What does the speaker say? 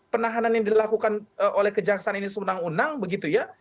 penahanan yang dilakukan oleh kejaksaan ini sunang unang begitu ya